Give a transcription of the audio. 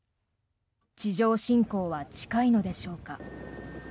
地上侵攻は近いのでしょうか。